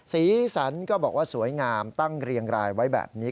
สีสันก็บอกว่าสวยงามตั้งเรียงรายไว้แบบนี้